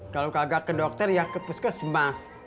kalau kagak ke dokter ya ke puskesmas